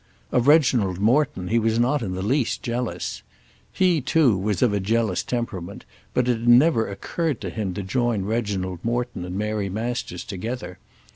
Of Reginald Morton he was not in the least jealous. He, too, was of a jealous temperament, but it had never occurred to him to join Reginald Morton and Mary Masters together.